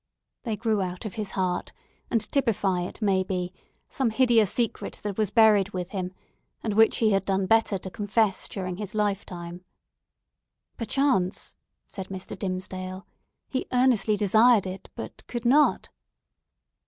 They grew out of his heart, and typify, it may be, some hideous secret that was buried with him, and which he had done better to confess during his lifetime." "Perchance," said Mr. Dimmesdale, "he earnestly desired it, but could not."